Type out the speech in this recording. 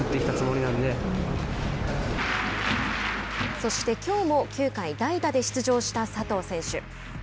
そしてきょうも９回代打で出場した佐藤選手。